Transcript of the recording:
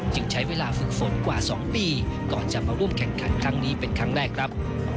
ใช้เวลาฝึกฝนกว่า๒ปีก่อนจะมาร่วมแข่งขันครั้งนี้เป็นครั้งแรกครับ